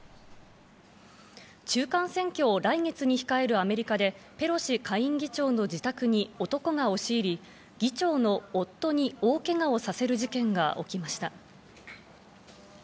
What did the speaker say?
中間選挙を来月に控えるアメリカで、ペロシ下院議長の自宅に男が押し入り、議長の夫に大けがをさせる事件が起きました。